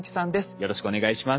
よろしくお願いします。